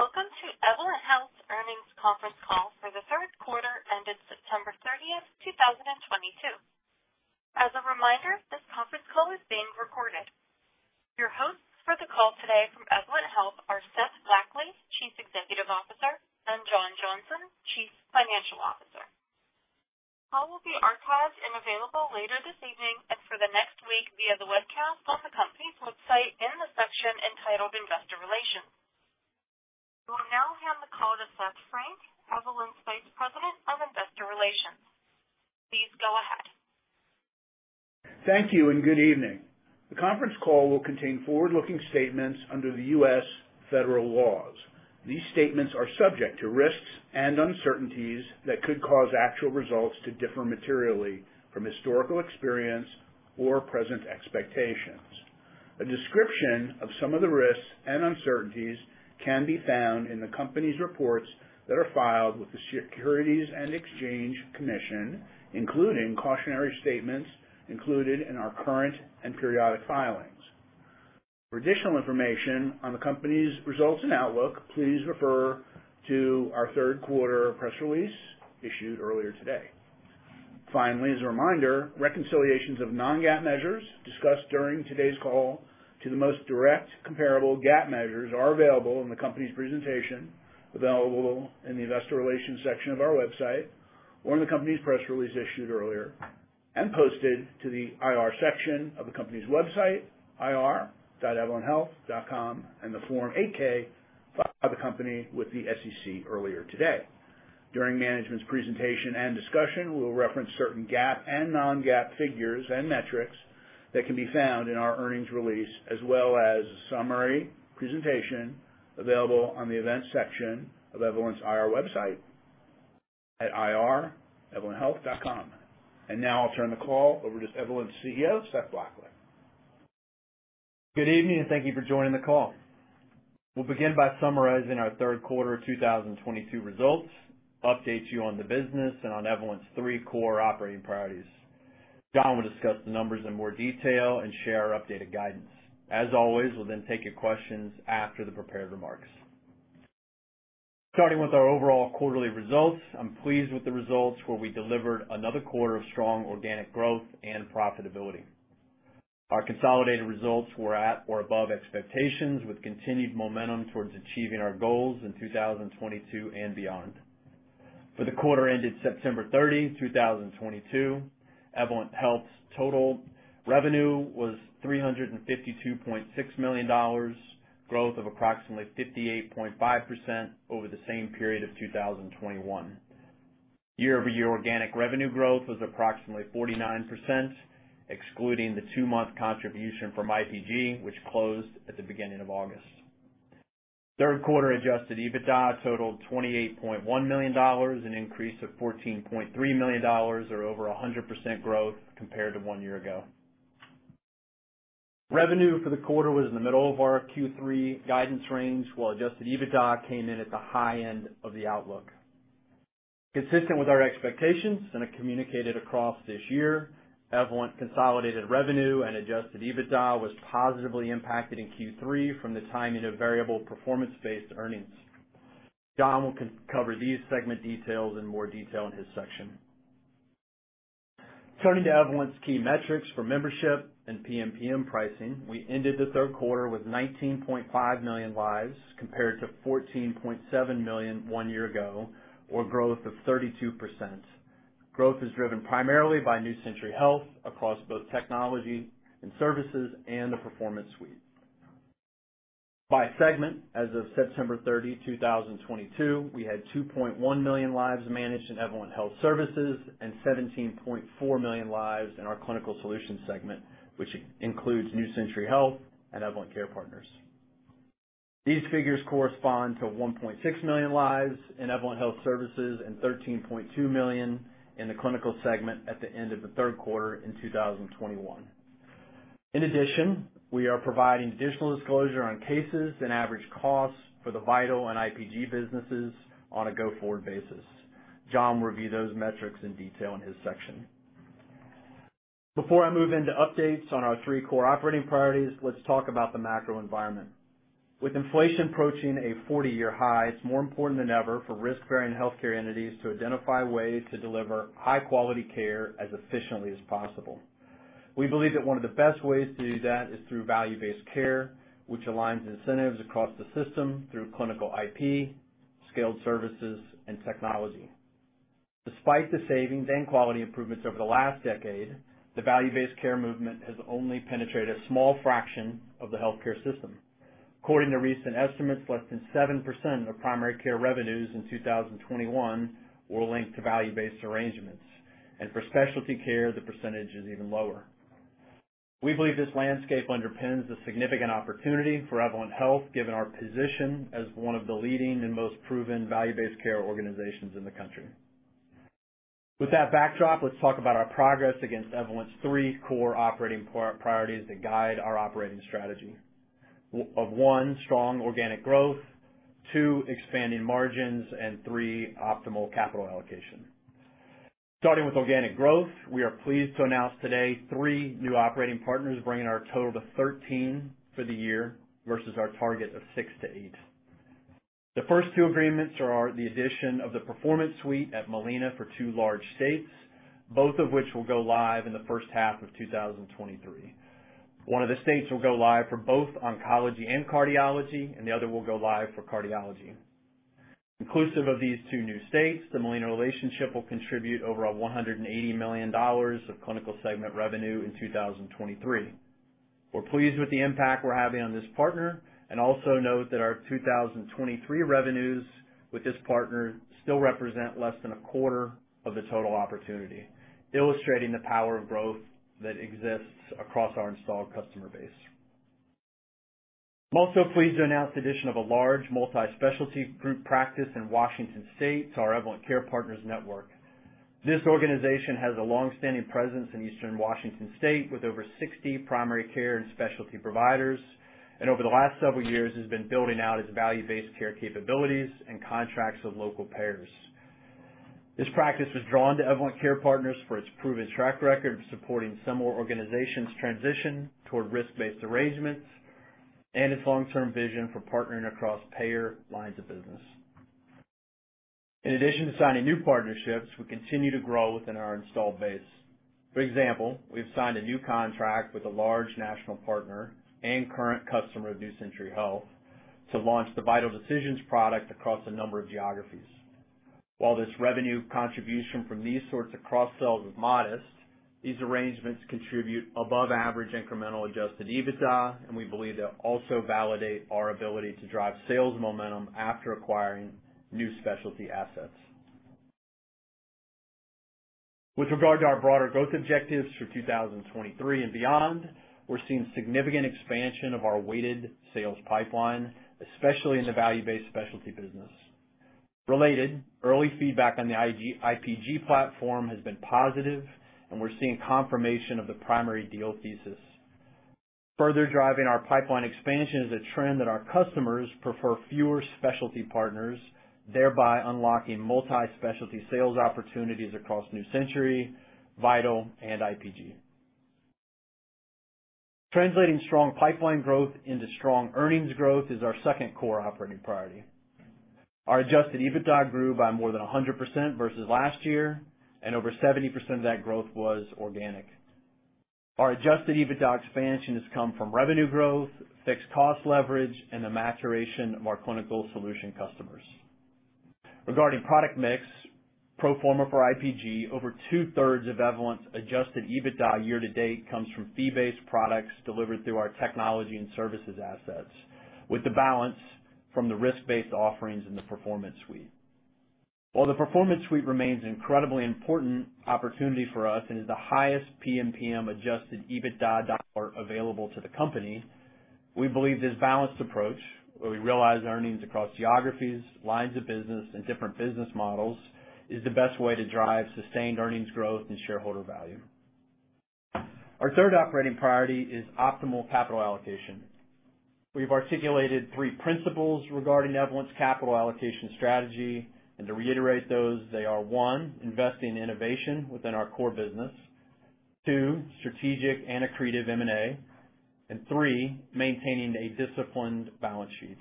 Welcome to the Evolent Health earnings conference call for the third quarter ended September 30, 2022. As a reminder, this conference call is being recorded. Your hosts for the call today from Evolent Health are Seth Blackley, Chief Executive Officer, and John Johnson, Chief Financial Officer. The call will be archived and available later this evening and for the next week via the webcast on the company's website in the section entitled Investor Relations. We will now hand the call to Seth Frank, Evolent's Vice President of Investor Relations. Please go ahead. Thank you and good evening. The conference call will contain forward-looking statements under the U.S. federal laws. These statements are subject to risks and uncertainties that could cause actual results to differ materially from historical experience or present expectations. A description of some of the risks and uncertainties can be found in the company's reports that are filed with the Securities and Exchange Commission, including cautionary statements included in our current and periodic filings. For additional information on the company's results and outlook, please refer to our third quarter press release issued earlier today. Finally, as a reminder, reconciliations of non-GAAP measures discussed during today's call to the most direct comparable GAAP measures are available in the company's presentation, available in the investor relations section of our website or in the company's press release issued earlier and posted to the IR section of the company's website, ir.evolenthealth.com, and the Form 8-K filed by the company with the SEC earlier today. During management's presentation and discussion, we will reference certain GAAP and non-GAAP figures and metrics that can be found in our earnings release, as well as a summary presentation available on the events section of Evolent's IR website at ir.evolenthealth.com. Now I'll turn the call over to Evolent's CEO, Seth Blackley. Good evening, and thank you for joining the call. We'll begin by summarizing our third quarter 2022 results, update you on the business, and on Evolent's three core operating priorities. John will discuss the numbers in more detail and share our updated guidance. As always, we'll then take your questions after the prepared remarks. Starting with our overall quarterly results, I'm pleased with the results where we delivered another quarter of strong organic growth and profitability. Our consolidated results were at or above expectations, with continued momentum towards achieving our goals in 2022 and beyond. For the quarter ended September 30, 2022, Evolent Health's total revenue was $352.6 million, growth of approximately 58.5% over the same period in 2021. Year-over-year organic revenue growth was approximately 49%, excluding the two-month contribution from IPG, which closed at the beginning of August. Third quarter Adjusted EBITDA totaled $28.1 million, an increase of $14.3 million, or over 100% growth compared to one year ago. Revenue for the quarter was in the middle of our Q3 guidance range, while Adjusted EBITDA came in at the high end of the outlook. Consistent with our expectations and communicated across this year, Evolent consolidated revenue and Adjusted EBITDA was positively impacted in Q3 from the timing of variable performance-based earnings. John will cover these segment details in more detail in his section. Turning to Evolent's key metrics for membership and PMPM pricing, we ended the third quarter with 19.5 million lives, compared to 14.7 million one year ago, or growth of 32%. Growth is driven primarily by New Century Health across both technology and services and the Performance Suite. By segment, as of September 30, 2022, we had 2.1 million lives managed in Evolent Health Services and 17.4 million lives in our Clinical Solutions segment, which includes New Century Health and Evolent Care Partners. These figures correspond to 1.6 million lives in Evolent Health Services and 13.2 million in the Clinical Solutions segment at the end of the third quarter in 2021. In addition, we are providing additional disclosure on cases and average costs for the Vital and IPG businesses on a go-forward basis. John will review those metrics in detail in his section. Before I move into updates on our three core operating priorities, let's talk about the macro environment. With inflation approaching a 40-year high, it's more important than ever for risk-bearing healthcare entities to identify ways to deliver high-quality care as efficiently as possible. We believe that one of the best ways to do that is through value-based care, which aligns incentives across the system through clinical IP, scaled services, and technology. Despite the savings and quality improvements over the last decade, the value-based care movement has only penetrated a small fraction of the healthcare system. According to recent estimates, less than 7% of primary care revenues in 2021 were linked to value-based arrangements. For specialty care, the percentage is even lower. We believe this landscape underpins the significant opportunity for Evolent Health, given our position as one of the leading and most proven value-based care organizations in the country. With that backdrop, let's talk about our progress against Evolent's three core operating priorities that guide our operating strategy. One, strong organic growth, two, expanding margins, and three, optimal capital allocation. Starting with organic growth, we are pleased to announce today three new operating partners bringing our total to 13 for the year versus our target of six to eight. The first two agreements are the addition of the Performance Suite at Molina for two large states, both of which will go live in the first half of 2023. One of the states will go live for both oncology and cardiology, and the other will go live for cardiology. Inclusive of these two new states, the Molina relationship will contribute over $180 million of clinical segment revenue in 2023. We're pleased with the impact we're having on this partner and also note that our 2023 revenues with this partner still represent less than a quarter of the total opportunity, illustrating the power of growth that exists across our installed customer base. I'm also pleased to announce the addition of a large multi-specialty group practice in Washington State to our Evolent Care Partners network. This organization has a long-standing presence in Eastern Washington State with over 60 primary care and specialty providers, and over the last several years has been building out its value-based care capabilities and contracts with local payers. This practice was drawn to Evolent Care Partners for its proven track record of supporting similar organizations transition toward risk-based arrangements and its long-term vision for partnering across payer lines of business. In addition to signing new partnerships, we continue to grow within our installed base. For example, we've signed a new contract with a large national partner and current customer of New Century Health to launch the Vital Decisions product across a number of geographies. While this revenue contribution from these sorts of cross-sells is modest, these arrangements contribute above average incremental Adjusted EBITDA, and we believe they also validate our ability to drive sales momentum after acquiring new specialty assets. With regard to our broader growth objectives for 2023 and beyond, we're seeing significant expansion of our weighted sales pipeline, especially in the value-based specialty business. Relatedly, early feedback on the IPG platform has been positive, and we're seeing confirmation of the primary deal thesis. Further driving our pipeline expansion is a trend that our customers prefer fewer specialty partners, thereby unlocking multi-specialty sales opportunities across New Century, Vital, and IPG. Translating strong pipeline growth into strong earnings growth is our second core operating priority. Our Adjusted EBITDA grew by more than 100% versus last year, and over 70% of that growth was organic. Our Adjusted EBITDA expansion has come from revenue growth, fixed cost leverage, and the maturation of our clinical solution customers. Regarding product mix, pro forma for IPG, over two-thirds of Evolent's Adjusted EBITDA year to date comes from fee-based products delivered through our technology and services assets, with the balance from the risk-based offerings in the Performance Suite. While the Performance Suite remains incredibly important opportunity for us and is the highest PMPM Adjusted EBITDA dollar available to the company, we believe this balanced approach, where we realize earnings across geographies, lines of business, and different business models, is the best way to drive sustained earnings growth and shareholder value. Our third operating priority is optimal capital allocation. We've articulated three principles regarding Evolent's capital allocation strategy, and to reiterate those, they are, one, investing in innovation within our core business, two, strategic and accretive M&A, and three, maintaining a disciplined balance sheet.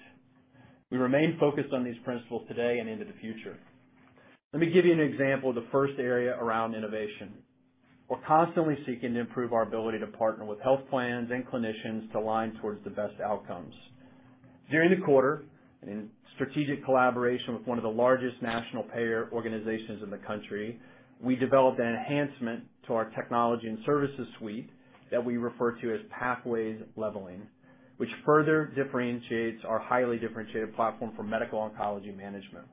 We remain focused on these principles today and into the future. Let me give you an example of the first area around innovation. We're constantly seeking to improve our ability to partner with health plans and clinicians to align towards the best outcomes. During the quarter, in strategic collaboration with one of the largest national payer organizations in the country, we developed an enhancement to our Technology and Services Suite that we refer to as Pathways Leveling, which further differentiates our highly differentiated platform for medical oncology management.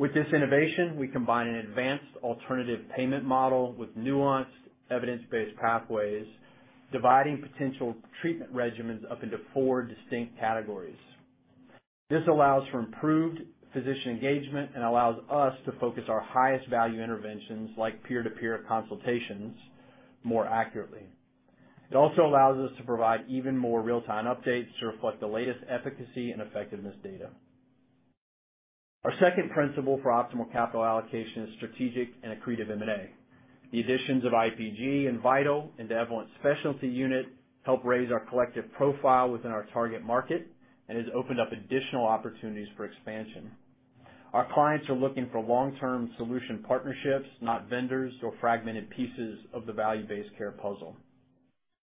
With this innovation, we combine an advanced alternative payment model with nuanced evidence-based pathways, dividing potential treatment regimens up into four distinct categories. This allows for improved physician engagement and allows us to focus our highest value interventions, like peer-to-peer consultations, more accurately. It also allows us to provide even more real-time updates to reflect the latest efficacy and effectiveness data. Our second principle for optimal capital allocation is strategic and accretive M&A. The additions of IPG and Vital into Evolent Specialty unit help raise our collective profile within our target market and has opened up additional opportunities for expansion. Our clients are looking for long-term solution partnerships, not vendors or fragmented pieces of the value-based care puzzle.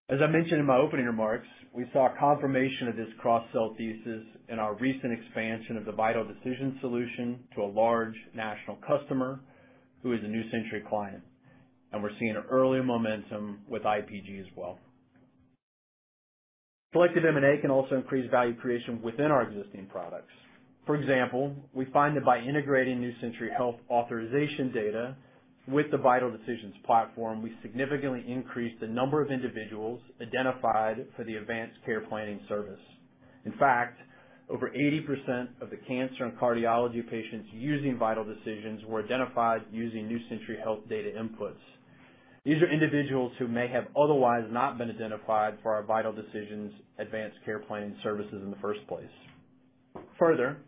As I mentioned in my opening remarks, we saw a confirmation of this cross-sell thesis in our recent expansion of the Vital Decisions solution to a large national customer who is a New Century Health client, and we're seeing early momentum with IPG as well. Selective M&A can also increase value creation within our existing products. For example, we find that by integrating New Century Health authorization data with the Vital Decisions platform, we significantly increase the number of individuals identified for the advanced care planning service. In fact, over 80% of the cancer and cardiology patients using Vital Decisions were identified using New Century Health data inputs. These are individuals who may have otherwise not been identified for our Vital Decisions advanced care planning services in the first place. Further,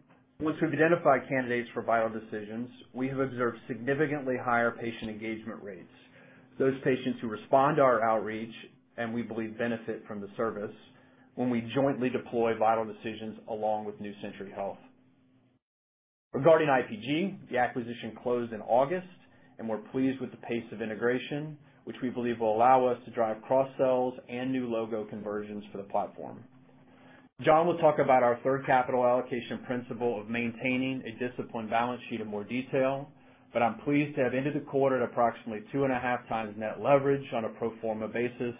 once we've identified candidates for Vital Decisions, we have observed significantly higher patient engagement rates. Those patients who respond to our outreach, and we believe benefit from the service when we jointly deploy Vital Decisions along with New Century Health. Regarding IPG, the acquisition closed in August, and we're pleased with the pace of integration, which we believe will allow us to drive cross-sells and new logo conversions for the platform. John will talk about our third capital allocation principle of maintaining a disciplined balance sheet in more detail, but I'm pleased to have ended the quarter at approximately 2.5 times net leverage on a pro forma basis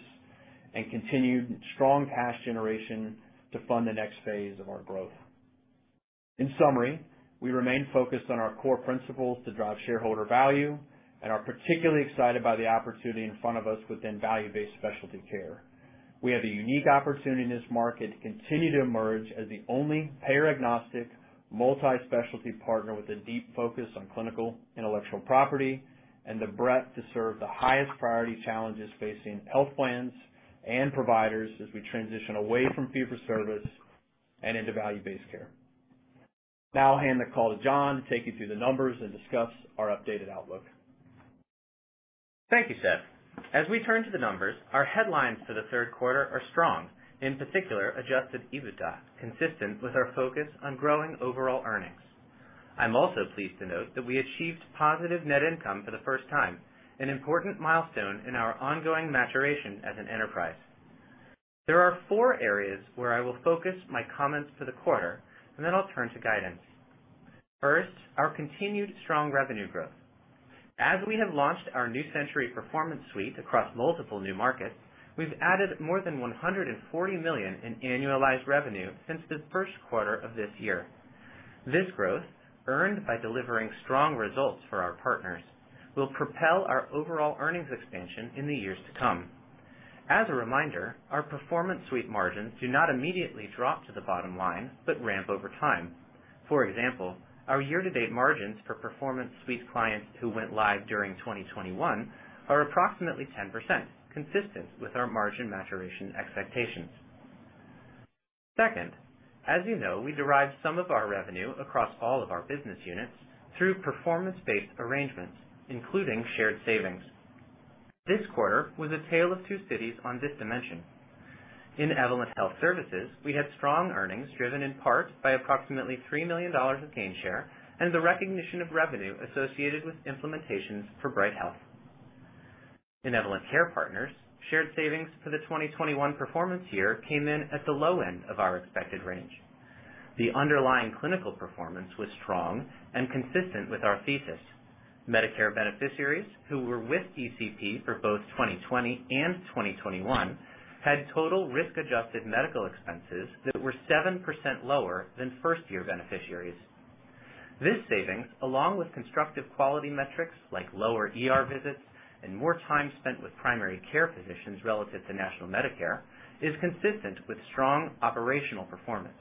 and continued strong cash generation to fund the next phase of our growth. In summary, we remain focused on our core principles to drive shareholder value and are particularly excited by the opportunity in front of us within value-based specialty care. We have a unique opportunity in this market to continue to emerge as the only payer-agnostic, multi-specialty partner with a deep focus on clinical intellectual property and the breadth to serve the highest priority challenges facing health plans and providers as we transition away from fee-for-service and into value-based care. Now I'll hand the call to John to take you through the numbers and discuss our updated outlook. Thank you, Seth. As we turn to the numbers, our headlines for the third quarter are strong, in particular, adjusted EBITDA, consistent with our focus on growing overall earnings. I'm also pleased to note that we achieved positive net income for the first time, an important milestone in our ongoing maturation as an enterprise. There are four areas where I will focus my comments for the quarter, and then I'll turn to guidance. First, our continued strong revenue growth. As we have launched our New Century Performance Suite across multiple new markets, we've added more than $140 million in annualized revenue since the first quarter of this year. This growth, earned by delivering strong results for our partners, will propel our overall earnings expansion in the years to come. As a reminder, our Performance Suite margins do not immediately drop to the bottom line, but ramp over time. For example, our year-to-date margins for Performance Suite clients who went live during 2021 are approximately 10%, consistent with our margin maturation expectations. Second, as you know, we derive some of our revenue across all of our business units through performance-based arrangements, including shared savings. This quarter was a tale of two cities on this dimension. In Evolent Health Services, we had strong earnings driven in part by approximately $3 million of gain share and the recognition of revenue associated with implementations for Bright Health. In Evolent Care Partners, shared savings for the 2021 performance year came in at the low end of our expected range. The underlying clinical performance was strong and consistent with our thesis. Medicare beneficiaries who were with ECP for both 2020 and 2021 had total risk-adjusted medical expenses that were 7% lower than first-year beneficiaries. This savings, along with constructive quality metrics like lower ER visits and more time spent with primary care physicians relative to national Medicare, is consistent with strong operational performance.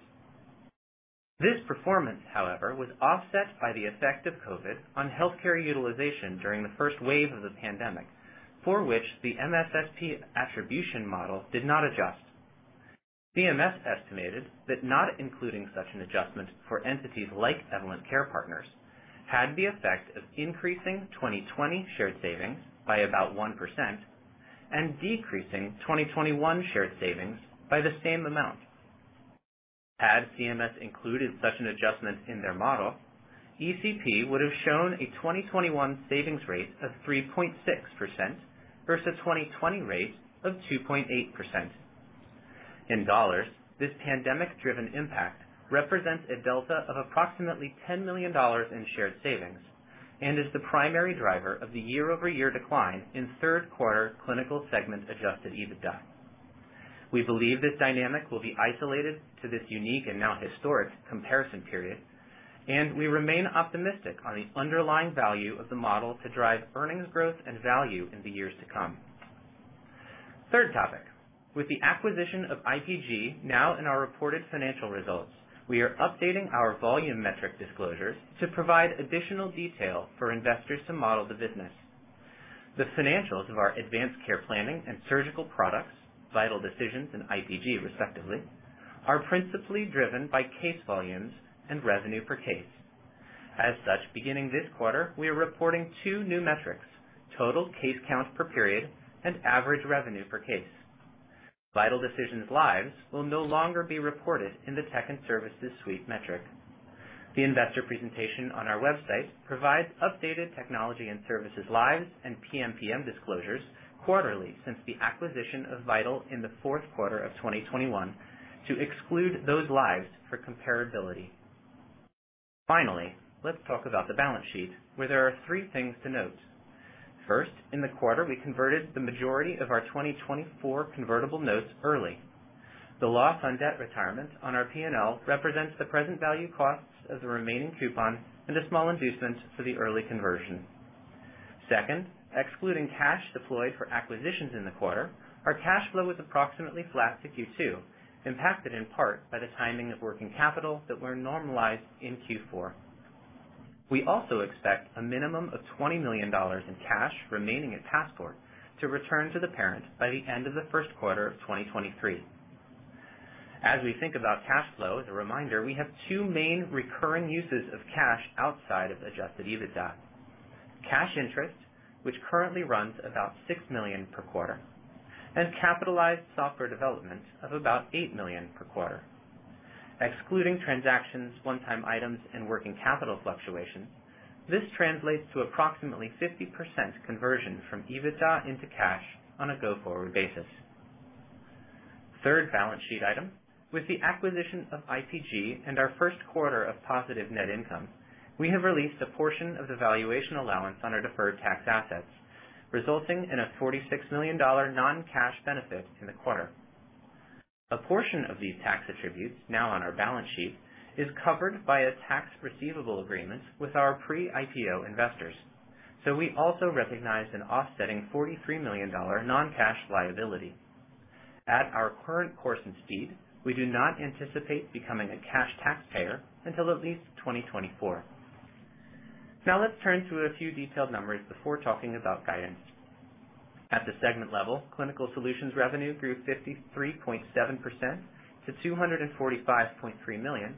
This performance, however, was offset by the effect of COVID on healthcare utilization during the first wave of the pandemic, for which the MSSP attribution model did not adjust. CMS estimated that not including such an adjustment for entities like Evolent Care Partners had the effect of increasing 2020 shared savings by about 1% and decreasing 2021 shared savings by the same amount. Had CMS included such an adjustment in their model, ECP would have shown a 2021 savings rate of 3.6% versus 2020 rate of 2.8%. In dollars, this pandemic-driven impact represents a delta of approximately $10 million in shared savings and is the primary driver of the year-over-year decline in third quarter clinical segment adjusted EBITDA. We believe this dynamic will be isolated to this unique and now historic comparison period, and we remain optimistic on the underlying value of the model to drive earnings growth and value in the years to come. Third topic, with the acquisition of IPG now in our reported financial results, we are updating our volume metric disclosures to provide additional detail for investors to model the business. The financials of our advanced care planning and surgical products, Vital Decisions and IPG, respectively, are principally driven by case volumes and revenue per case. As such, beginning this quarter, we are reporting two new metrics, total case count per period and average revenue per case. Vital Decisions lives will no longer be reported in the Technology and Services Suite metric. The investor presentation on our website provides updated technology and services lives and PMPM disclosures quarterly since the acquisition of Vital in the fourth quarter of 2021 to exclude those lives for comparability. Finally, let's talk about the balance sheet, where there are three things to note. First, in the quarter, we converted the majority of our 2024 convertible notes early. The loss on debt retirements on our P&L represents the present value costs of the remaining coupon and a small inducement for the early conversion. Second, excluding cash deployed for acquisitions in the quarter, our cash flow was approximately flat compared to Q2, impacted in part by the timing of working capital that was normalized in Q4. We also expect a minimum of $20 million in cash remaining at Passport to return to the parent by the end of the first quarter of 2023. As we think about cash flow, as a reminder, we have two main recurring uses of cash outside of Adjusted EBITDA. Cash interest, which currently runs about $6 million per quarter, and capitalized software development of about $8 million per quarter. Excluding transactions, one-time items, and working capital fluctuations, this translates to approximately 50% conversion from EBITDA into cash on a go-forward basis. Third balance sheet item, with the acquisition of IPG and our first quarter of positive net income, we have released a portion of the valuation allowance on our deferred tax assets, resulting in a $46 million non-cash benefit in the quarter. A portion of these tax attributes now on our balance sheet is covered by a Tax Receivable Agreement with our pre-IPO investors. We also recognized an offsetting $43 million non-cash liability. At our current course and speed, we do not anticipate becoming a cash taxpayer until at least 2024. Now let's turn to a few detailed numbers before talking about guidance. At the segment level, Clinical Solutions revenue grew 53.7% to $245.3 million,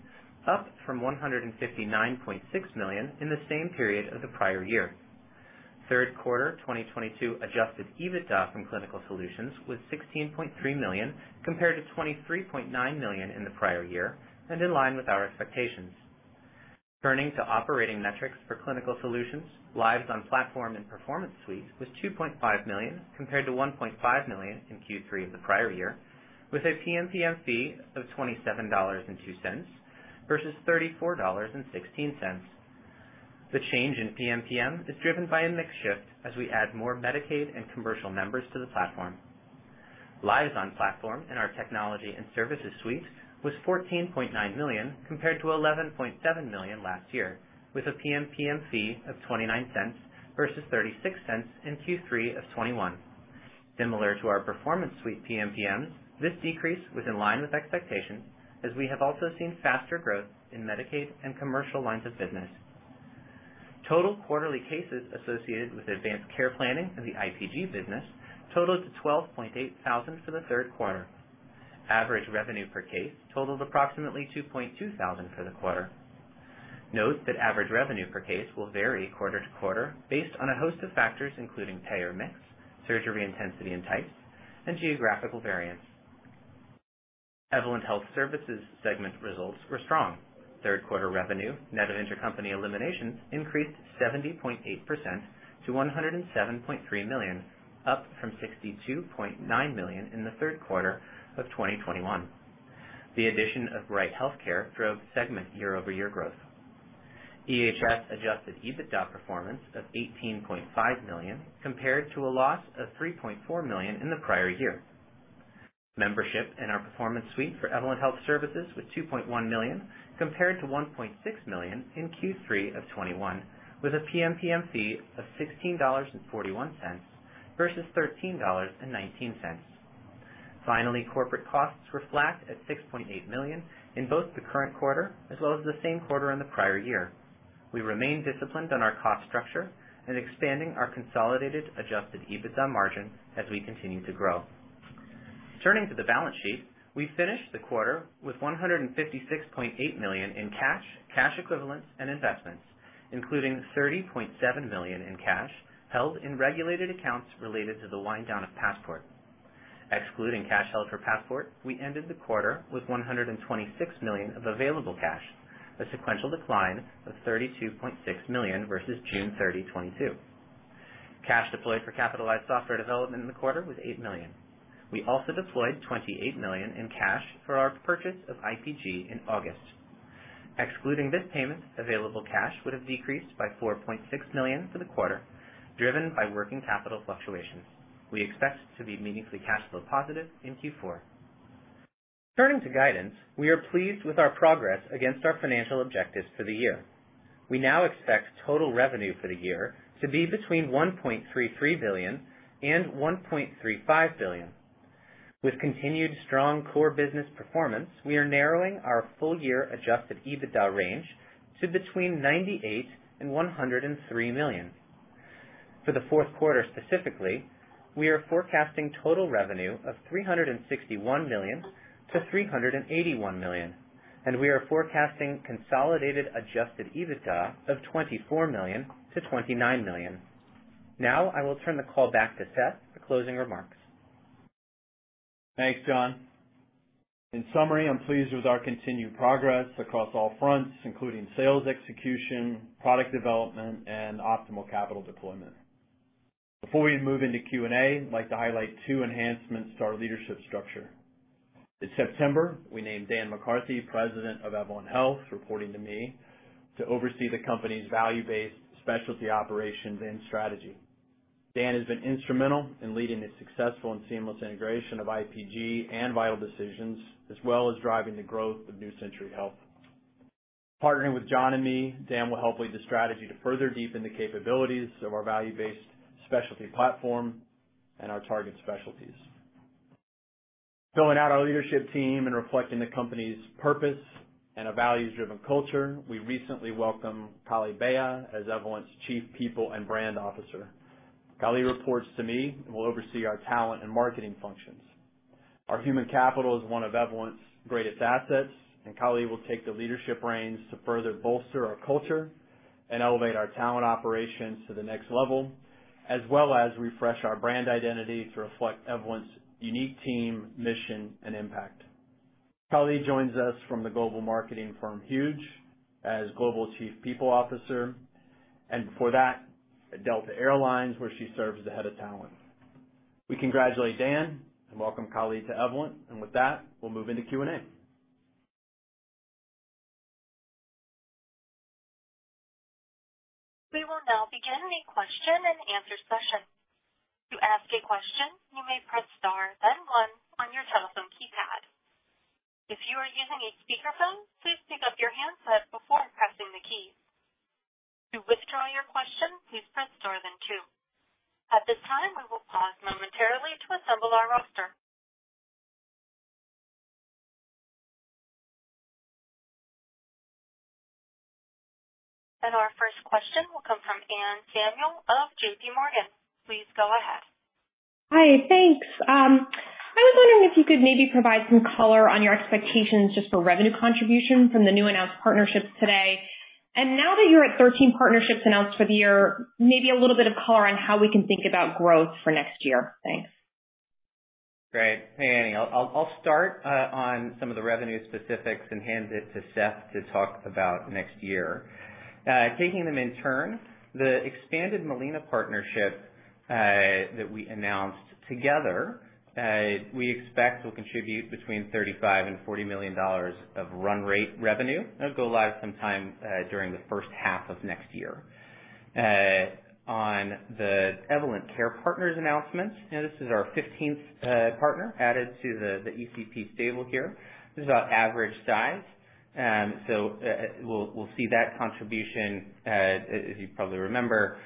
up from $159.6 million in the same period of the prior year. Q3 2022 Adjusted EBITDA from Clinical Solutions was $16.3 million, compared to $23.9 million in the prior year and in line with our expectations. Turning to operating metrics for Clinical Solutions, lives on platform and Performance Suites was 2.5 million, compared to 1.5 million in Q3 of the prior year, with a PMPM fee of $27.02 versus $34.16. The change in PMPM is driven by a mix shift as we add more Medicaid and commercial members to the platform. Lives on platform in our Technology and Services Suite was 14.9 million, compared to 11.7 million last year, with a PMPM fee of $0.29 versus $0.36 in Q3 of 2021. Similar to our Performance Suite PMPMs, this decrease was in line with expectations, as we have also seen faster growth in Medicaid and commercial lines of business. Total quarterly cases associated with advanced care planning in the IPG business totaled 12,800 for the third quarter. Average revenue per case totaled approximately $2,200 for the quarter. Note that average revenue per case will vary quarter to quarter based on a host of factors, including payer mix, surgery intensity and types, and geographical variance. Evolent Health Services segment results were strong. Third quarter revenue net of intercompany eliminations increased 70.8% to $107.3 million, up from $62.9 million in the third quarter of 2021. The addition of Bright HealthCare drove segment year-over-year growth. EHS Adjusted EBITDA performance of $18.5 million compared to a loss of $3.4 million in the prior year. Membership in our Performance Suite for Evolent Health Services was 2.1 million, compared to 1.6 million in Q3 of 2021, with a PMPM fee of $16.41 versus $13.19. Finally, corporate costs were flat at $6.8 million in both the current quarter as well as the same quarter in the prior year. We remain disciplined on our cost structure and expanding our consolidated Adjusted EBITDA margin as we continue to grow. Turning to the balance sheet, we finished the quarter with $156.8 million in cash equivalents, and investments, including $30.7 million in cash held in regulated accounts related to the wind down of Passport. Excluding cash held for Passport, we ended the quarter with $126 million of available cash, a sequential decline of $32.6 million versus June 30, 2022. Cash deployed for capitalized software development in the quarter was $8 million. We also deployed $28 million in cash for our purchase of IPG in August. Excluding this payment, available cash would have decreased by $4.6 million for the quarter, driven by working capital fluctuations. We expect to be meaningfully cash flow positive in Q4. Turning to guidance, we are pleased with our progress against our financial objectives for the year. We now expect total revenue for the year to be between $1.33 billion and $1.35 billion. With continued strong core business performance, we are narrowing our full year Adjusted EBITDA range to between $98 million and $103 million. For the fourth quarter specifically, we are forecasting total revenue of $361 million to $381 million, and we are forecasting consolidated Adjusted EBITDA of $24 million-$29 million. Now I will turn the call back to Seth for closing remarks. Thanks, John. In summary, I'm pleased with our continued progress across all fronts, including sales execution, product development, and optimal capital deployment. Before we move into Q&A, I'd like to highlight two enhancements to our leadership structure. In September, we named Dan McCarthy President of Evolent Health, reporting to me to oversee the company's value-based specialty operations and strategy. Dan has been instrumental in leading the successful and seamless integration of IPG and Vital Decisions, as well as driving the growth of New Century Health. Partnering with John and me, Dan will help lead the strategy to further deepen the capabilities of our value-based specialty platform and our target specialties. Filling out our leadership team and reflecting the company's purpose and a values-driven culture, we recently welcomed Kali Beyah as Evolent's Chief People and Brand Officer. Kali reports to me and will oversee our talent and marketing functions. Our human capital is one of Evolent's greatest assets, and Kali will take the leadership reins to further bolster our culture and elevate our talent operations to the next level, as well as refresh our brand identity to reflect Evolent's unique team, mission, and impact. Kali joins us from the global marketing firm Huge as Global Chief People Officer, and before that, at Delta Air Lines, where she served as the Head of Talent. We congratulate Dan and welcome Kali to Evolent. With that, we'll move into Q&A. We will now begin a question and answer session. To ask a question, you may press star then one on your telephone keypad. If you are using a speakerphone, please pick up your handset before pressing the key. To withdraw your question, please press star then two. At this time, we will pause momentarily to assemble our roster. Our first question will come from Anne Samuel of JPMorgan. Please go ahead. Hi, thanks. I was wondering if you could maybe provide some color on your expectations just for revenue contribution from the new announced partnerships today. Now that you're at 13 partnerships announced for the year, maybe a little bit of color on how we can think about growth for next year. Thanks. Great. Hey, Anne. I'll start on some of the revenue specifics and hand it to Seth to talk about next year. Taking them in turn, the expanded Molina partnership that we announced together, we expect will contribute between $35 million-$40 million of run rate revenue. That'll go live sometime during the first half of next year. On the Evolent Care Partners announcement, this is our 15th partner added to the ECP stable here. This is about average size. So, we'll see that contribution, as you probably remember,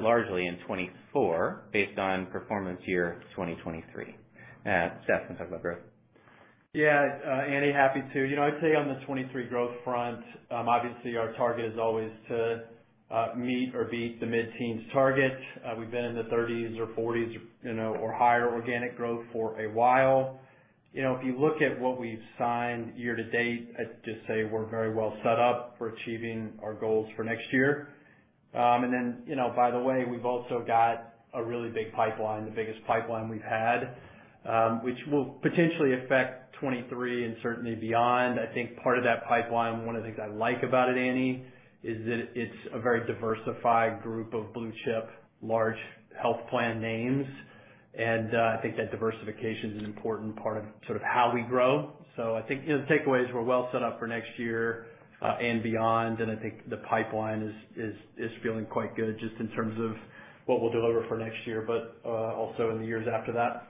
largely in 2024 based on performance year 2023. Seth can talk about growth. Yeah. Anne, happy to. You know, I'd say on the 2023 growth front, obviously our target is always to meet or beat the mid-teens target. We've been in the 30s or 40s, you know, or higher organic growth for a while. You know, if you look at what we've signed year to date, I'd just say we're very well set up for achieving our goals for next year. You know, by the way, we've also got a really big pipeline, the biggest pipeline we've had, which will potentially affect 2023 and certainly beyond. I think part of that pipeline, one of the things I like about it, Anne, is that it's a very diversified group of blue-chip, large health plan names. I think that diversification is an important part of sort of how we grow. I think, you know, the takeaway is we're well set up for next year, and beyond, and I think the pipeline is feeling quite good just in terms of what we'll deliver for next year, but also in the years after that.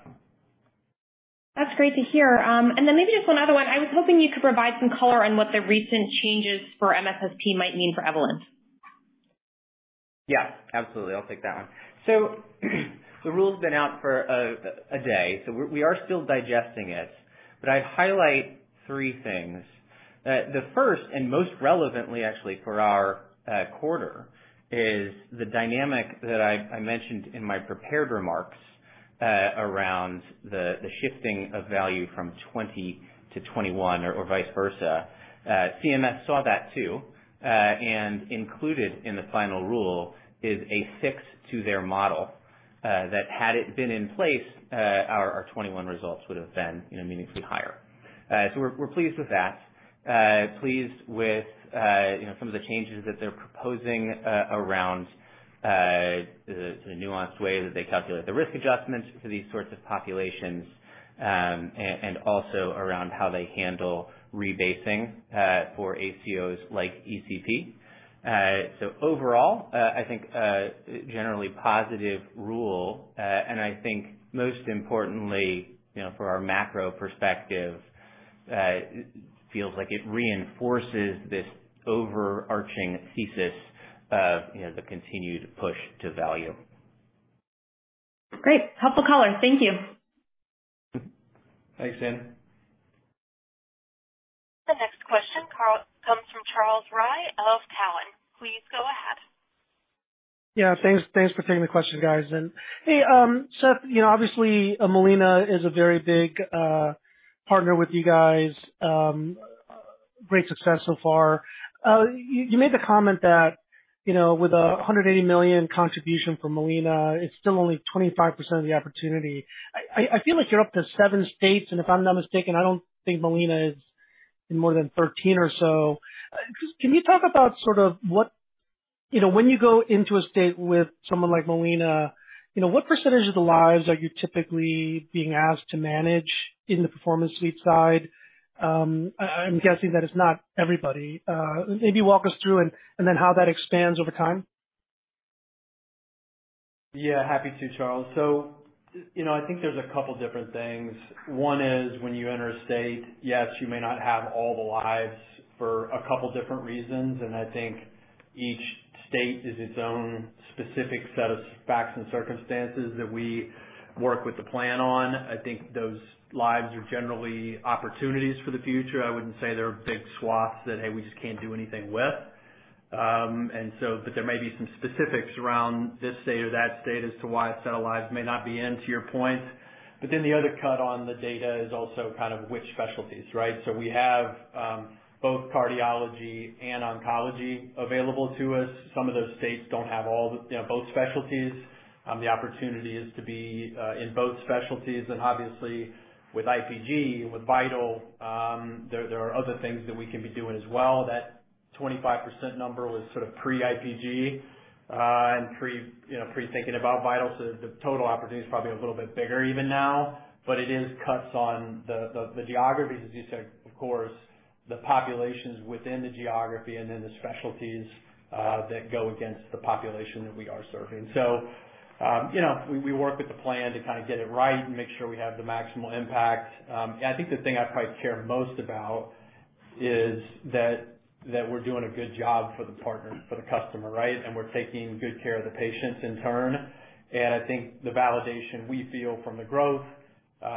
That's great to hear. Maybe just one other one. I was hoping you could provide some color on what the recent changes for MSSP might mean for Evolent. Yeah, absolutely. I'll take that one. The rule's been out for a day, so we are still digesting it, but I'd highlight three things. The first and most relevantly actually for our quarter is the dynamic that I mentioned in my prepared remarks around the shifting of value from 2020 to 2021 or vice versa. CMS saw that too, and included in the final rule is a fix to their model, that had it been in place, our 2021 results would have been, you know, meaningfully higher. We're pleased with that. Pleased with, you know, some of the changes that they're proposing around the sort of nuanced way that they calculate the risk adjustments for these sorts of populations, and also around how they handle rebasing for ACOs like ECP. Overall, I think a generally positive rule. I think most importantly, you know, for our macro perspective, it feels like it reinforces this overarching thesis of, you know, the continued push to value. Great. Helpful color. Thank you. Thanks, Anne. The next question, Carl, comes from Charles Rhyee of Cowen. Please go ahead. Yeah, thanks. Thanks for taking the questions, guys. Hey, Seth, you know, obviously, Molina is a very big partner with you guys. Great success so far. You made the comment that, you know, with a $180 million contribution from Molina, it's still only 25% of the opportunity. I feel like you're up to 7 states, and if I'm not mistaken, I don't think Molina is in more than 13 or so. Can you talk about sort of what you know, when you go into a state with someone like Molina, you know, what percentage of the lives are you typically being asked to manage in the Performance Suite side? I'm guessing that it's not everybody. Maybe walk us through and then how that expands over time. Yeah, happy to, Charles. You know, I think there's a couple different things. One is when you enter a state, yes, you may not have all the lives for a couple different reasons, and I think each state is its own specific set of facts and circumstances that we work with the plan on. I think those lives are generally opportunities for the future. I wouldn't say they're big swaths that, hey, we just can't do anything with. There may be some specifics around this state or that state as to why a set of lives may not be in to your point. Then the other cut on the data is also kind of which specialties, right? We have both cardiology and oncology available to us. Some of those states don't have all the, you know, both specialties. The opportunity is to be in both specialties and obviously with IPG, with Vital, there are other things that we can be doing as well. That 25% number was sort of pre-IPG and pre, you know, pre-thinking about Vital. The total opportunity is probably a little bit bigger even now, but it cuts across the geographies, as you said, of course, the populations within the geography and then the specialties that go against the population that we are serving. You know, we work with the plan to kind of get it right and make sure we have the maximal impact. I think the thing I probably care most about is that we're doing a good job for the partner, for the customer, right? We're taking good care of the patients in turn. I think the validation we feel from the growth,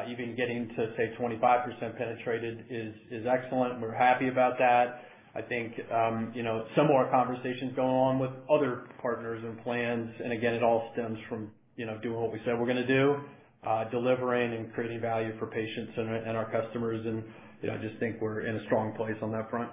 even getting to say 25% penetrated is excellent. We're happy about that. I think, you know, similar conversations go on with other partners and plans. Again, it all stems from, you know, doing what we said we're gonna do, delivering and creating value for patients and our customers. You know, I just think we're in a strong place on that front.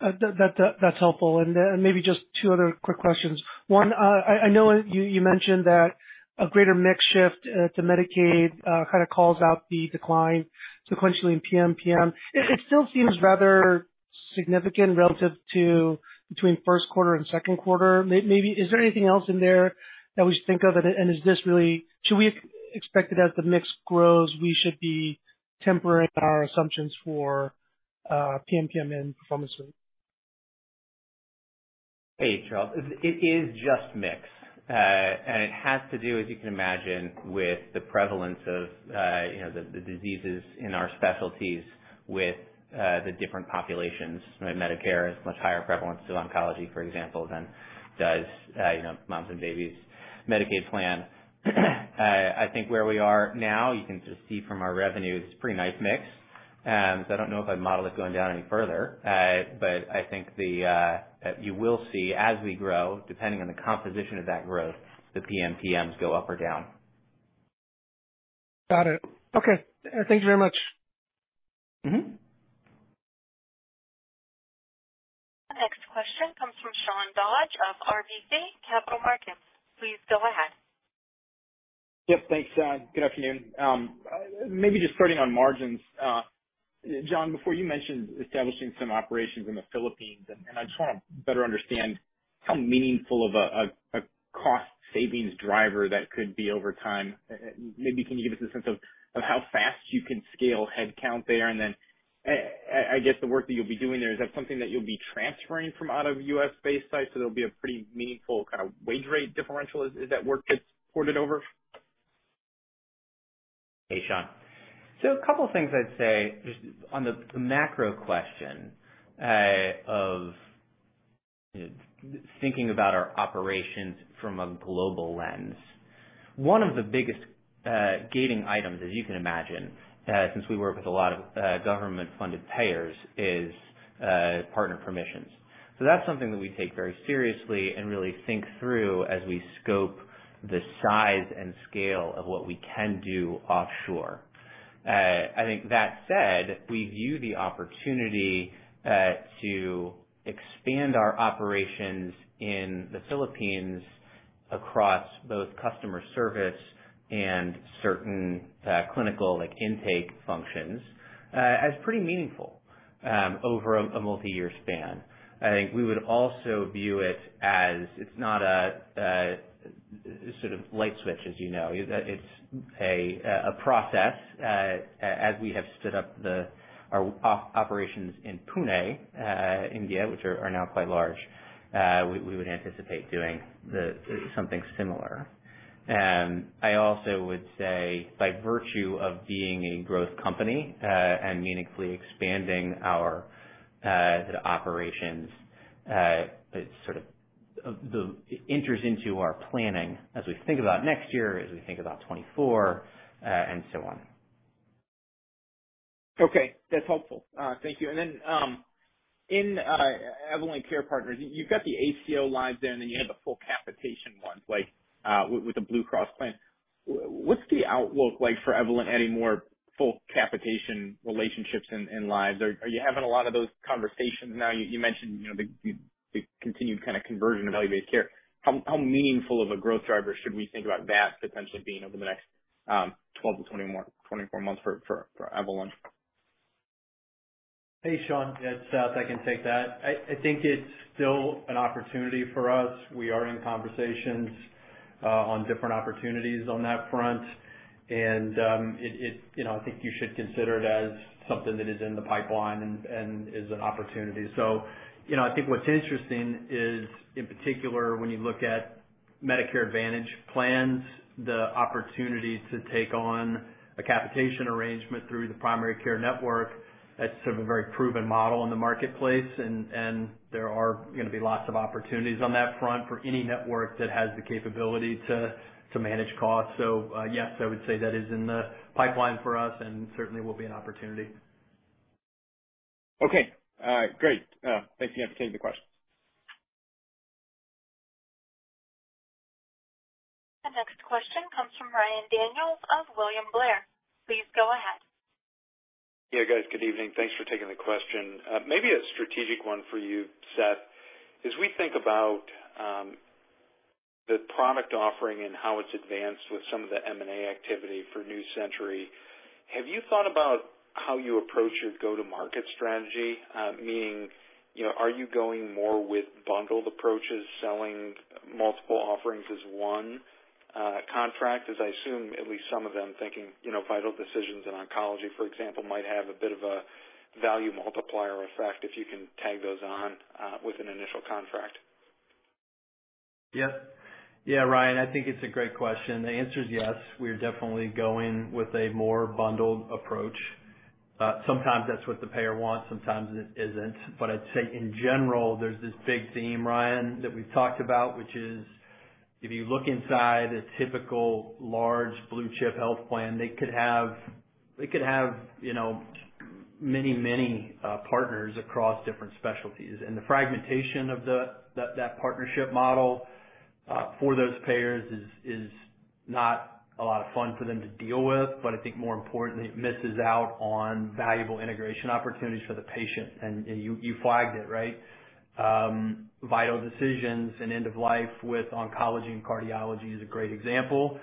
That that's helpful. Then maybe just two other quick questions. One, I know you mentioned that a greater mix shift to Medicaid kind of calls out the decline sequentially in PMPM. It still seems rather significant relative to between first quarter and second quarter. Maybe is there anything else in there that we should think of it? Is this really, should we expect that as the mix grows, we should be tempering our assumptions for PMPM in performance rate? Hey, Charles Rhyee. It is just mix. It has to do, as you can imagine, with the prevalence of, you know, the diseases in our specialties with the different populations. Medicare has much higher prevalence to oncology, for example, than does, you know, moms and babies Medicaid plan. I think where we are now, you can just see from our revenues, it's pretty nice mix. So I don't know if I'd model it going down any further. But I think you will see as we grow, depending on the composition of that growth, the PMPMs go up or down. Got it. Okay. Thank you very much. Mm-hmm. Next question comes from Sean Dodge of RBC Capital Markets. Please go ahead. Yep, thanks. Good afternoon. Maybe just starting on margins. John, before you mentioned establishing some operations in the Philippines, and I just want to better understand how meaningful of a cost savings driver that could be over time. Maybe can you give us a sense of how fast you can scale headcount there? And then, I guess the work that you'll be doing there, is that something that you'll be transferring from out of U.S.-based sites? So there'll be a pretty meaningful kind of wage rate differential as that work gets ported over? Hey, Sean. A couple of things I'd say just on the macro question of thinking about our operations from a global lens. One of the biggest gating items, as you can imagine, since we work with a lot of government-funded payers, is partner permissions. That's something that we take very seriously and really think through as we scope the size and scale of what we can do offshore. I think that said, we view the opportunity to expand our operations in the Philippines across both customer service and certain clinical, like intake functions, as pretty meaningful over a multiyear span. I think we would also view it as it's not a sort of light switch, as you know. It's a process as we have stood up our operations in Pune, India, which are now quite large, we would anticipate doing something similar. I also would say by virtue of being a growth company and meaningfully expanding our operations, it sort of enters into our planning as we think about next year, as we think about 2024, and so on. Okay, that's helpful. Thank you. In Evolent Care Partners, you've got the ACO lives there, and then you have the full capitation ones, like, with the Blue Cross plan. What's the outlook like for Evolent adding more full capitation relationships and lives? Are you having a lot of those conversations now? You mentioned, you know, the continued kind of conversion of value-based care. How meaningful of a growth driver should we think about that potentially being over the next 12 to 24 months for Evolent? Hey, Sean. Yeah, it's Seth. I can take that. I think it's still an opportunity for us. We are in conversations on different opportunities on that front. You know, I think you should consider it as something that is in the pipeline and is an opportunity. You know, I think what's interesting is, in particular, when you look at Medicare Advantage plans, the opportunity to take on a capitation arrangement through the primary care network. That's sort of a very proven model in the marketplace, and there are gonna be lots of opportunities on that front for any network that has the capability to manage costs. Yes, I would say that is in the pipeline for us and certainly will be an opportunity. Okay. Great. Thank you. I appreciate the question. The next question comes from Ryan Daniels of William Blair. Please go ahead. Yeah, guys, good evening. Thanks for taking the question. Maybe a strategic one for you, Seth. As we think about the product offering and how it's advanced with some of the M&A activity for New Century, have you thought about how you approach your go-to-market strategy? Meaning, you know, are you going more with bundled approaches, selling multiple offerings as one contract? As I assume at least some of them thinking, you know, Vital Decisions in oncology, for example, might have a bit of a value multiplier effect if you can tag those on with an initial contract. Yes. Yeah, Ryan, I think it's a great question. The answer is yes. We're definitely going with a more bundled approach. Sometimes that's what the payer wants, sometimes it isn't. I'd say in general, there's this big theme, Ryan, that we've talked about, which is if you look inside a typical large blue chip health plan, they could have you know, many partners across different specialties. The fragmentation of that partnership model for those payers is not a lot of fun for them to deal with. I think more importantly, it misses out on valuable integration opportunities for the patient. You flagged it, right? Vital Decisions and end of life with oncology and cardiology is a great example.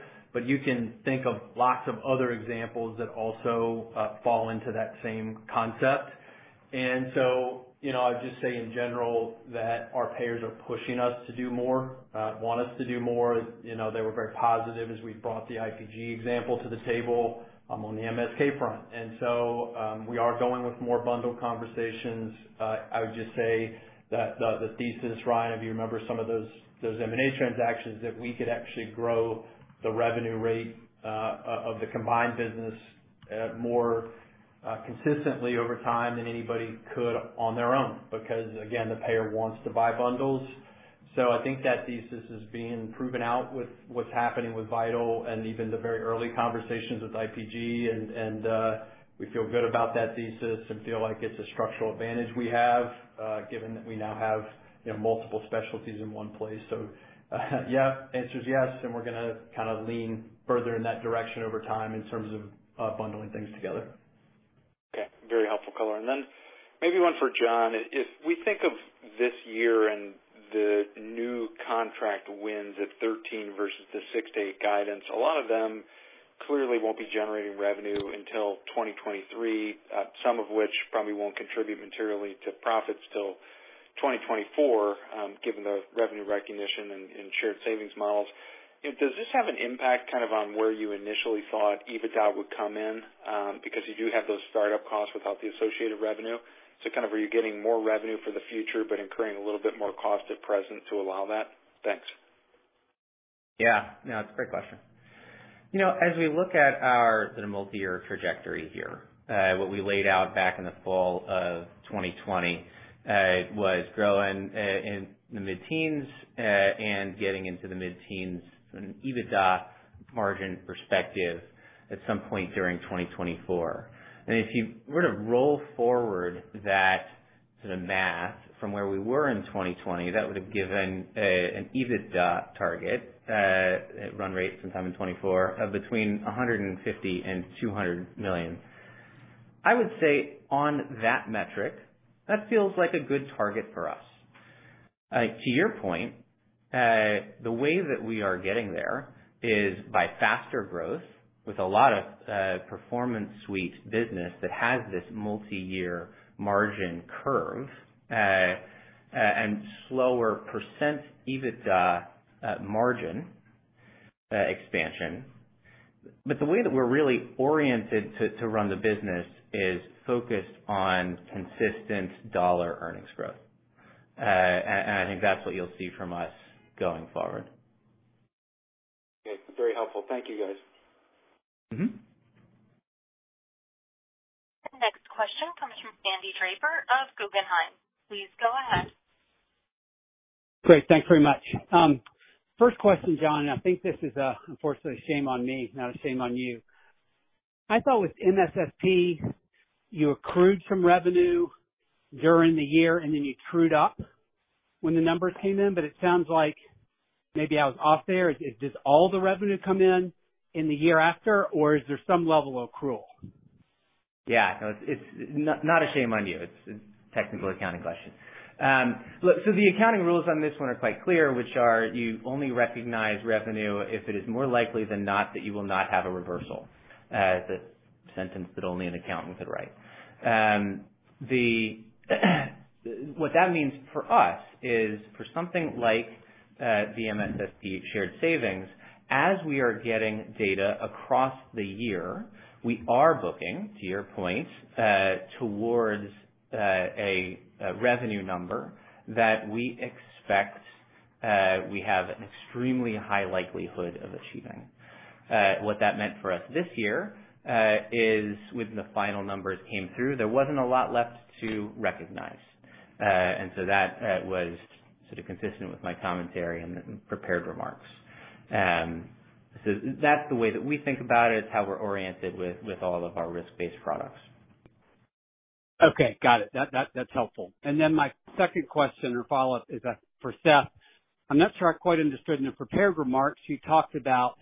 You can think of lots of other examples that also fall into that same concept. You know, I'd just say in general that our payers are pushing us to do more, want us to do more. You know, they were very positive as we brought the IPG example to the table on the MSK front. We are going with more bundled conversations. I would just say that the thesis, Ryan, if you remember some of those M&A transactions, that we could actually grow the revenue rate of the combined business more consistently over time than anybody could on their own. Because, again, the payer wants to buy bundles. I think that thesis is being proven out with what's happening with Vital and even the very early conversations with IPG and we feel good about that thesis and feel like it's a structural advantage we have, given that we now have, you know, multiple specialties in one place. Yeah, answer's yes, and we're gonna kinda lean further in that direction over time in terms of bundling things together. Okay. Very helpful color. Maybe one for John. If we think of this year and the new contract wins at 13 versus the 6-8 guidance, a lot of them clearly won't be generating revenue until 2023, some of which probably won't contribute materially to profits till 2024, given the revenue recognition and shared savings models. Does this have an impact kind of on where you initially thought EBITDA would come in? Because you do have those startup costs without the associated revenue. Kind of are you getting more revenue for the future but incurring a little bit more cost at present to allow that? Thanks. Yeah. No, it's a great question. You know, as we look at our sort of multi-year trajectory here, what we laid out back in the fall of 2020 was growing in the mid-teens and getting into the mid-teens from an EBITDA margin perspective at some point during 2024. If you were to roll forward that sort of math from where we were in 2020, that would have given an EBITDA target at run rate sometime in 2024 of between $150 million and $200 million. I would say on that metric, that feels like a good target for us. To your point, the way that we are getting there is by faster growth with a lot of Performance Suite business that has this multi-year margin curve and slower EBITDA margin expansion. The way that we're really oriented to run the business is focused on consistent dollar earnings growth. I think that's what you'll see from us going forward. Okay. Very helpful. Thank you, guys. Mm-hmm. The next question comes from Sandy Draper of Guggenheim. Please go ahead. Great. Thanks very much. First question, John. I think this is, unfortunately, shame on me, not a shame on you. I thought with MSSP, you accrued some revenue during the year, and then you trued up when the numbers came in, but it sounds like maybe I was off there. Does all the revenue come in in the year after, or is there some level of accrual? Yeah. No, it's not a shame on you. It's a technical accounting question. Look, the accounting rules on this one are quite clear, which are you only recognize revenue if it is more likely than not that you will not have a reversal. The sentence that only an accountant could write. What that means for us is for something like the MSSP shared savings, as we are getting data across the year, we are booking, to your point, towards a revenue number that we expect We have an extremely high likelihood of achieving. What that meant for us this year is when the final numbers came through, there wasn't a lot left to recognize. That was sort of consistent with my commentary and prepared remarks. That's the way that we think about it. It's how we're oriented with all of our risk-based products. Okay, got it. That's helpful. Then my second question or follow-up is for Seth. I'm not sure I quite understood. In the prepared remarks, you talked about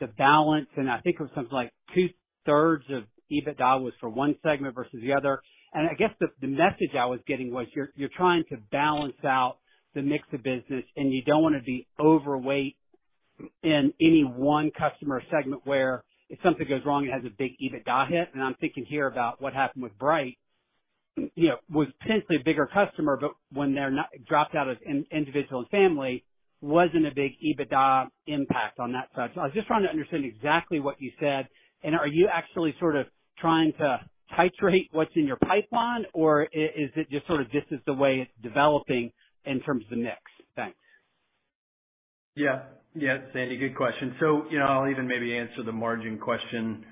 the balance, and I think it was something like two-thirds of EBITDA was for one segment versus the other. I guess the message I was getting was you're trying to balance out the mix of business and you don't wanna be overweight in any one customer segment where if something goes wrong, it has a big EBITDA hit. I'm thinking here about what happened with Bright. You know, was potentially a bigger customer, but when they dropped out of individual and family, wasn't a big EBITDA impact on that side. I was just trying to understand exactly what you said, and are you actually sort of trying to titrate what's in your pipeline, or is it just sort of this is the way it's developing in terms of the mix? Thanks. Yeah. Yeah, Sandy, good question. So, you know, I'll even maybe answer the margin question,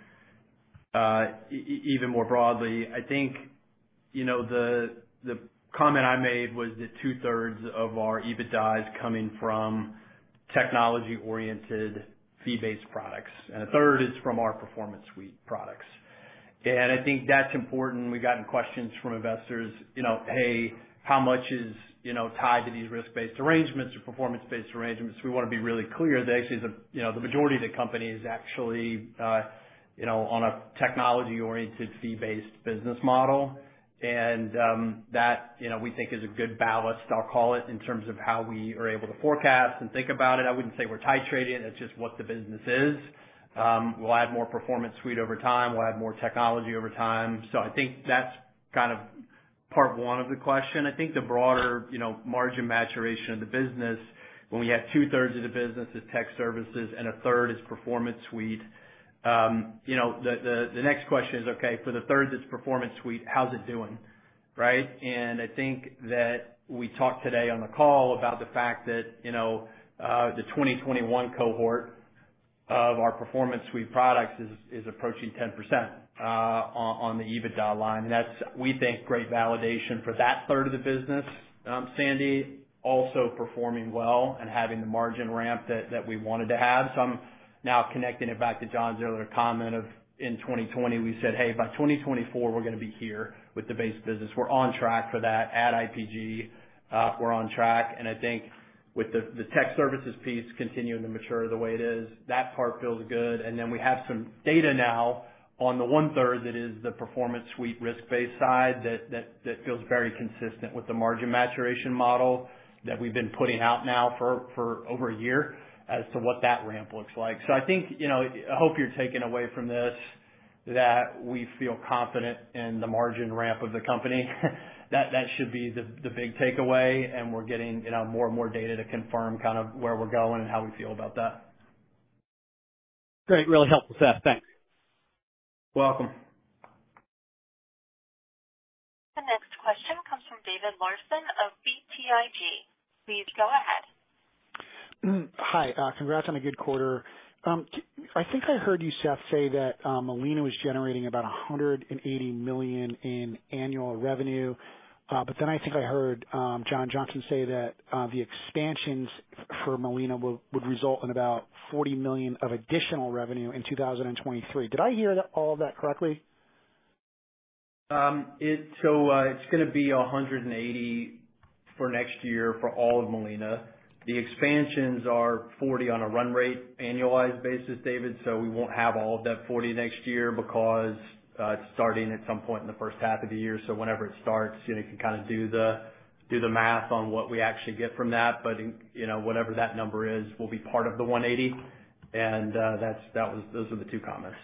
even more broadly. I think, you know, the comment I made was that two-thirds of our EBITDA is coming from technology-oriented fee-based products, and a third is from our Performance Suite products. I think that's important. We've gotten questions from investors, you know, hey, how much is, you know, tied to these risk-based arrangements or performance-based arrangements? We wanna be really clear that actually the majority of the company is actually, you know, on a technology-oriented fee-based business model. That, you know, we think is a good ballast, I'll call it, in terms of how we are able to forecast and think about it. I wouldn't say we're titrating, it's just what the business is. We'll add more Performance Suite over time. We'll add more technology over time. I think that's kind of part one of the question. I think the broader, you know, margin maturation of the business when we have two-thirds of the business is tech services and a third is Performance Suite. You know, the next question is, okay, for the third that's Performance Suite, how's it doing, right? I think that we talked today on the call about the fact that, you know, the 2021 cohort of our Performance Suite products is approaching 10% on the EBITDA line. That's, we think, great validation for that third of the business, Sandy, also performing well and having the margin ramp that we wanted to have. I'm now connecting it back to John's earlier comment of in 2020, we said, "Hey, by 2024, we're gonna be here with the base business." We're on track for that. At IPG, we're on track. I think with the tech services piece continuing to mature the way it is, that part feels good. Then we have some data now on the one-third that is the Performance Suite risk-based side that feels very consistent with the margin maturation model that we've been putting out now for over a year as to what that ramp looks like. I think, you know, I hope you're taking away from this that we feel confident in the margin ramp of the company. That should be the big takeaway. We're getting, you know, more and more data to confirm kind of where we're going and how we feel about that. Great. Really helpful, Seth. Thanks. Welcome. The next question comes from David Larsen of BTIG. Please go ahead. Hi, congrats on a good quarter. I think I heard you, Seth, say that Molina was generating about $180 million in annual revenue. I think I heard John Johnson say that the expansions for Molina would result in about $40 million of additional revenue in 2023. Did I hear that all of that correctly? It's gonna be 180 for next year for all of Molina. The expansions are 40 on a run rate annualized basis, David. We won't have all of that 40 next year because it's starting at some point in the first half of the year. Whenever it starts, you know, you can kind of do the math on what we actually get from that. Whatever that number is will be part of the 180. Those are the two comments.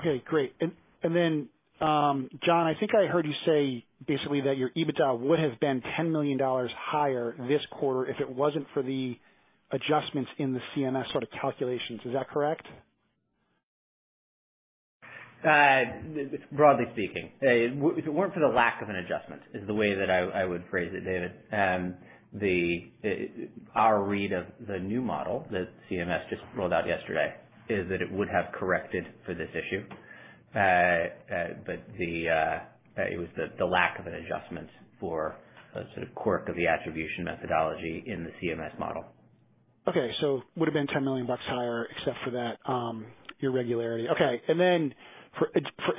Okay, great. John, I think I heard you say basically that your EBITDA would have been $10 million higher this quarter if it wasn't for the adjustments in the CMS sort of calculations. Is that correct? That's broadly speaking. The lack of an adjustment is the way that I would phrase it, David. Our read of the new model that CMS just rolled out yesterday is that it would have corrected for this issue. It was the lack of an adjustment for a sort of quirk of the attribution methodology in the CMS model. Okay, would've been $10 million higher except for that irregularity. Okay. Then for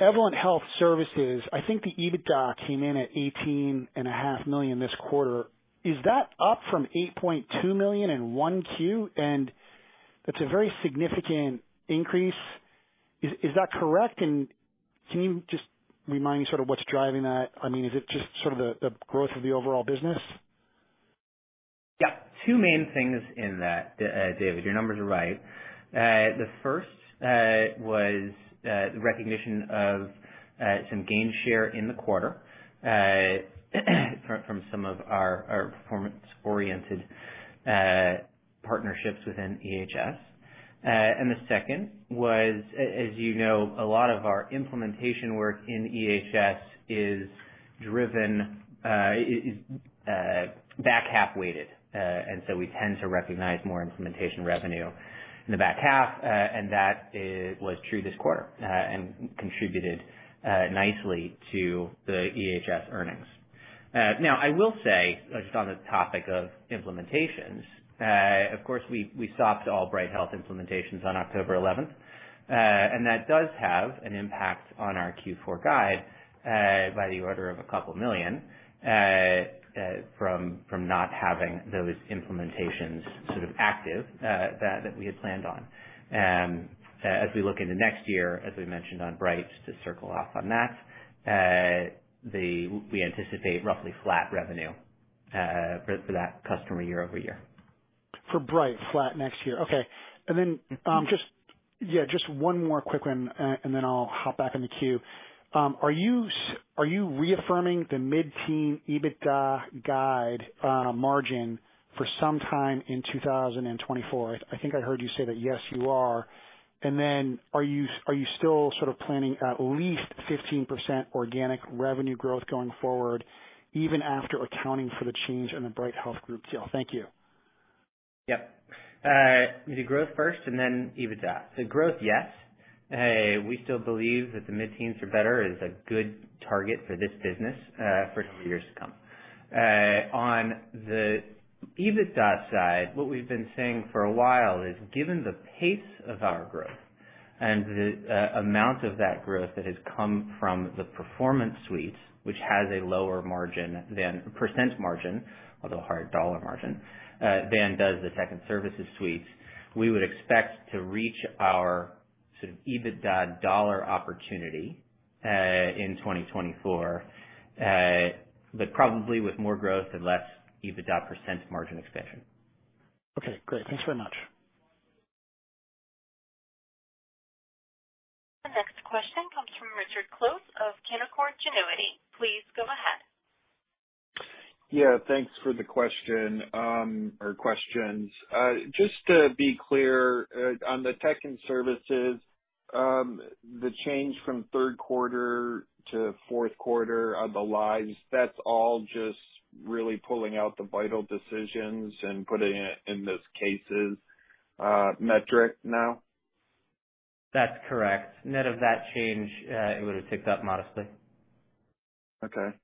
Evolent Health Services, I think the EBITDA came in at $18.5 million this quarter. Is that up from $8.2 million in 1Q? That's a very significant increase. Is that correct? Can you just remind me sort of what's driving that? I mean, is it just sort of the growth of the overall business? Yeah. Two main things in that, David. Your numbers are right. The first was the recognition of some gain share in the quarter from some of our performance-oriented partnerships within EHS. The second was, as you know, a lot of our implementation work in EHS is back-half weighted. We tend to recognize more implementation revenue in the back half. That was true this quarter and contributed nicely to the EHS earnings. Now, I will say, just on the topic of implementations, of course, we stopped all Bright Health implementations on October eleventh. That does have an impact on our Q4 guide by the order of $2 million from not having those implementations sort of active that we had planned on. As we look into next year, as we mentioned on Bright, just to circle back on that, we anticipate roughly flat revenue for that customer year-over-year. For Bright, flat next year. Okay. Just one more quick one and then I'll hop back in the queue. Are you reaffirming the mid-teen EBITDA guide, margin for some time in 2024? I think I heard you say that, yes, you are. Are you still sort of planning at least 15% organic revenue growth going forward, even after accounting for the change in the Bright Health Group deal? Thank you. Yep. The growth first and then EBITDA. Growth, yes. We still believe that the mid-teens or better is a good target for this business, for years to come. On the EBITDA side, what we've been saying for a while is, given the pace of our growth and the amount of that growth that has come from the performance suites, which has a lower margin than % margin, although higher dollar margin, than does the tech and services suites, we would expect to reach our sort of EBITDA dollar opportunity, in 2024. Probably with more growth and less EBITDA % margin expansion. Okay, great. Thanks very much. The next question comes from Richard Close of Canaccord Genuity. Please go ahead. Yeah, thanks for the question or questions. Just to be clear, on the tech and services, the change from third quarter to fourth quarter of the lives, that's all just really pulling out the Vital Decisions and putting it in those cases metric now? That's correct. Net of that change, it would have ticked up modestly. Okay.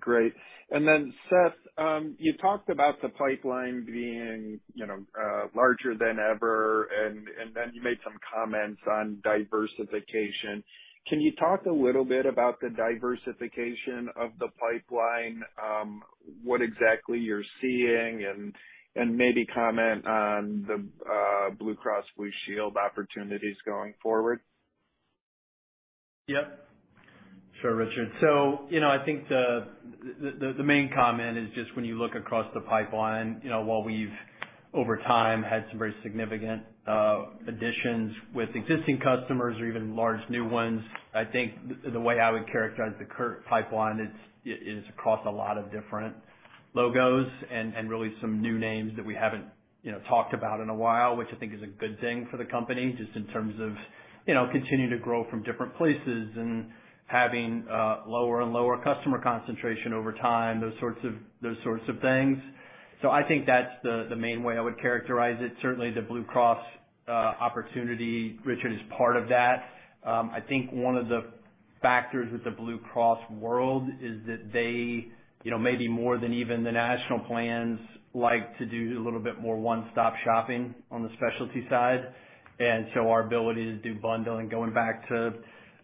Great. Seth, you talked about the pipeline being, you know, larger than ever, and then you made some comments on diversification. Can you talk a little bit about the diversification of the pipeline, what exactly you're seeing and maybe comment on the Blue Cross Blue Shield opportunities going forward? Yep. Sure, Richard. You know, I think the main comment is just when you look across the pipeline, you know, while we've over time had some very significant additions with existing customers or even large new ones, I think the way I would characterize the pipeline, it is across a lot of different logos and really some new names that we haven't, you know, talked about in a while, which I think is a good thing for the company, just in terms of, you know, continuing to grow from different places and having lower and lower customer concentration over time, those sorts of things. I think that's the main way I would characterize it. Certainly, the Blue Cross opportunity, Richard, is part of that. I think one of the factors with the Blue Cross world is that they, you know, maybe more than even the national plans, like to do a little bit more one-stop shopping on the specialty side. Our ability to do bundling, going back to